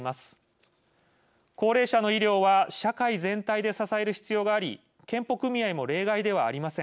高齢者の医療は社会全体で支える必要があり健保組合も例外ではありません。